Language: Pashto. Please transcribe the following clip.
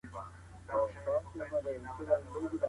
موږ بايد د انساني کرامت ساتنه وکړو.